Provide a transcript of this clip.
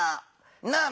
なあ